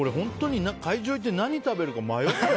会場に行って何を食べるか迷っちゃう。